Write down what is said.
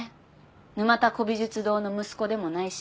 沼田古美術堂の息子でもないし